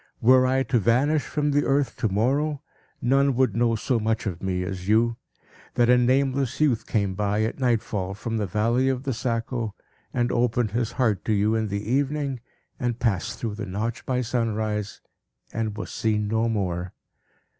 Were I to vanish from the earth to morrow, none would know so much of me as you; that a nameless youth came up, at nightfall, from the valley of the Saco, and opened his heart to you in the evening, and passed through the Notch, by sunrise, and was seen no more.